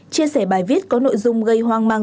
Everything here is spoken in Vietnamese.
chia sẻ bài viết có nội dung gây hoang mang